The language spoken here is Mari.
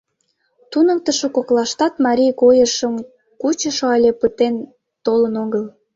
Туныктышо коклаштат марий койышым кучышо але пытен толын огыл.